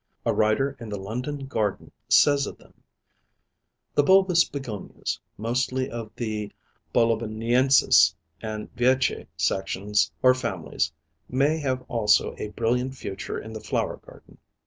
A writer in the London Garden says of them: "The bulbous Begonias, mostly of the Boliviniensis and Veitchi sections or families, may have also a brilliant future in the flower garden.